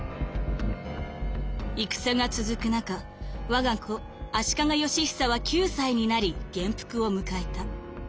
「戦が続く中我が子足利義尚は９歳になり元服を迎えた。